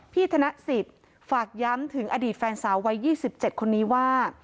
ธนสิทธิ์ฝากย้ำถึงอดีตแฟนสาววัย๒๗คนนี้ว่า